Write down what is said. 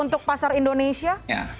untuk pasar indonesia